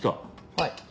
はい。